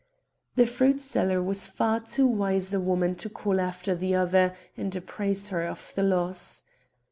The fruit seller was far too wise a woman to call after the other and apprise her of the loss.